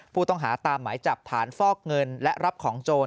ผู้ต้องหาตามหมายจับฐานฟอกเงินและรับของโจร